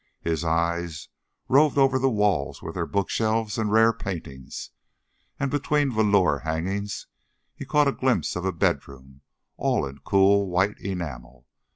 His eyes roved over the walls with their bookshelves and rare paintings, and between velour hangings he caught a glimpse of a bedroom all in cool, white enamel.